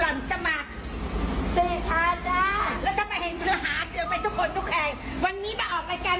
แล้วถ้ามาเห็นเธอหาเสียไปทุกคนทุกแข่ง